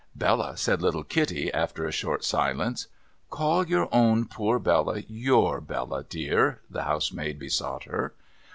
' Bella,' said little Kitty, after a short silence. ' Call your own poor Bella, yotir Bella, dear,' the housemaid besought her.